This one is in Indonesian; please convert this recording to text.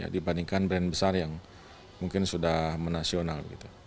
dibandingkan brand besar yang mungkin sudah menasional